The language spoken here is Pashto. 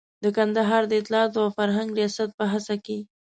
د کندهار د اطلاعاتو او فرهنګ ریاست په هڅه کې.